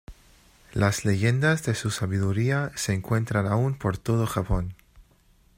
Las leyendas de su sabiduría se encuentran aún por todo Japón.